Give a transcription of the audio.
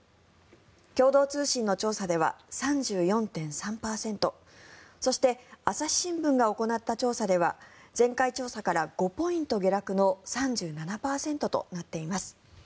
共同通信の調査では３４．３％そして朝日新聞が行った調査では前回調査から５ポイント下落の３７％となっています。